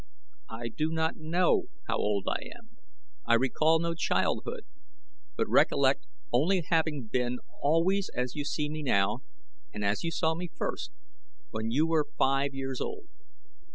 I do not know how old I am. I recall no childhood; but recollect only having been always as you see me now and as you saw me first when you were five years old.